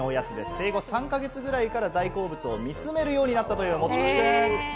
生後３か月ぐらいから大好物を見つめるようになったという、もち吉くん。